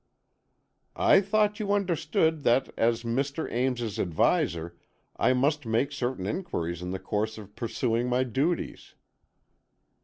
"I thought you understood that as Mr. Ames's adviser, I must make certain inquiries in the course of pursuing my duties."